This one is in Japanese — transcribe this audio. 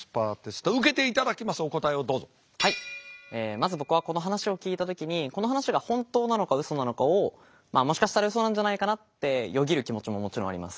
まず僕はこの話を聞いた時にこの話が本当なのかウソなのかをもしかしたらウソなんじゃないかなってよぎる気持ちももちろんあります。